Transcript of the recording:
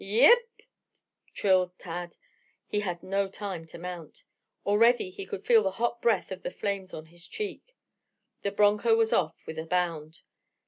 "Y i i p!" trilled Tad. He had no time to mount. Already he could feel the hot breath of the flames on his cheek. The broncho was off with a bound.